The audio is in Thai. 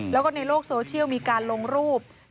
แล้วก็ในโลกโซเชียลมีการลงรูป